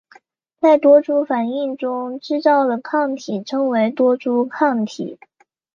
在多株反应中制造的抗体称为多株抗体。